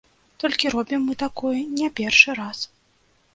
Толькі робім мы такое не першы раз.